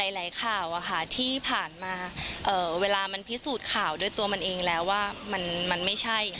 หลายข่าวที่ผ่านมาเวลามันพิสูจน์ข่าวด้วยตัวมันเองแล้วว่ามันไม่ใช่